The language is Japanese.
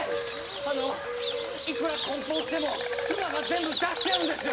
あのいくら梱包しても妻が全部出しちゃうんですよ！